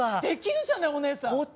できるじゃないお姉さん。